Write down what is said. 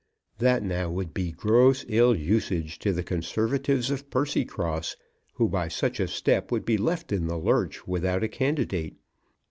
That now would be gross ill usage to the Conservatives of Percycross, who by such a step would be left in the lurch without a candidate.